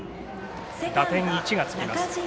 打点１がつきます。